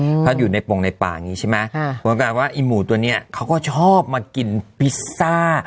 เพราะอยู่ในปงในป่าอย่างงี้ใช่ไหมค่ะเหมือนกับว่าไอ้หมูตัวเนี้ยเขาก็ชอบมากินพิซซ่า